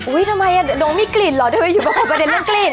อุ้ยทำไมน้องมีกลิ่นเหรอทำไมอยู่กับประเด็นเรื่องกลิ่น